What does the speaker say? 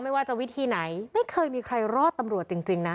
ไม่ว่าจะวิธีไหนไม่เคยมีใครรอดตำรวจจริงนะ